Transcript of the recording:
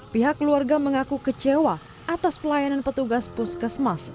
pihak keluarga mengaku kecewa atas pelayanan petugas puskesmas